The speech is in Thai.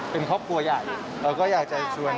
เป็นครอบครัวใหญ่เราก็อยากจะชวน